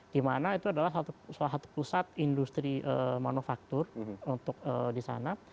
di mana itu adalah salah satu pusat industri manufaktur untuk di sana